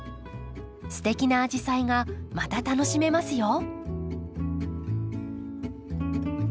すてきなアジサイがまた楽しめますよ。